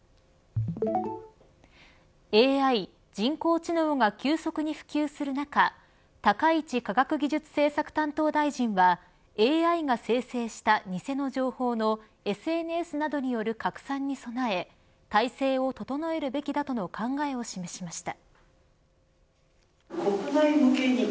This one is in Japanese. ＡＩ、人工知能が急速に普及する中高市科学技術政策担当大臣はＡＩが生成した偽の情報のＳＮＳなどへの拡散に備え体制を整えるべきだとの考えを示しました。